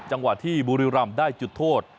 จังหวะที่บุรีรำได้จุดโทษ